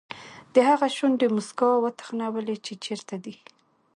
د هغه شونډې موسکا وتخنولې چې چېرته دی.